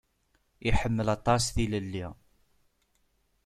Iḥemmel aṭas tilelli.